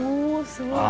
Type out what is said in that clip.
すごい！」